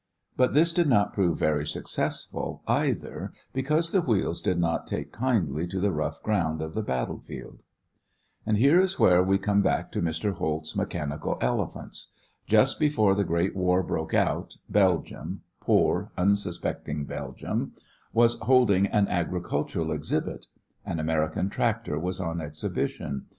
But this did not prove very successful, either, because the wheels did not take kindly to the rough ground of the battle field. And here is where we come back to Mr. Holt's mechanical elephants. Just before the great war broke out, Belgium poor unsuspecting Belgium was holding an agricultural exhibit. An American tractor was on exhibition.